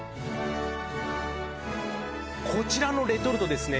こちらのレトルトですね